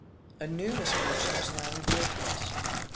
A new misfortune was now revealed to us.